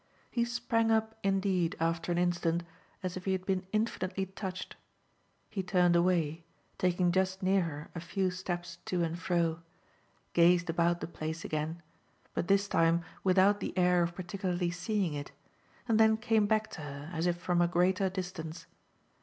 He sprang up indeed after an instant as if he had been infinitely touched; he turned away, taking just near her a few steps to and fro, gazed about the place again, but this time without the air of particularly seeing it, and then came back to her as if from a greater distance.